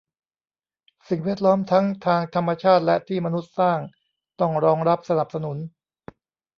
สิ่งแวดล้อมทั้งทางธรรมชาติและที่มนุษย์สร้างต้องรองรับสนับสนุน